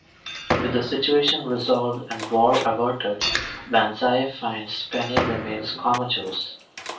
With the situation resolved and war averted, Banzai finds Penny remains comatose.